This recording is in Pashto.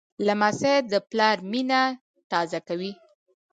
لمسی د پلار مینه تازه کوي.